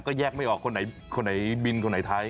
ก็แยกไม่ออกคนไหนบินอะไรไหนไทย